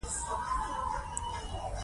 او مولوي نعماني صاحب به هم نه پېژنې.